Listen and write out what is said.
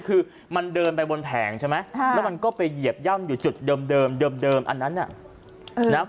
คือมันเดินไปบนแผงใช่ไหมแล้วมันก็ไปเหยียบย่ำอยู่จุดเดิมอันนั้นน่ะนะ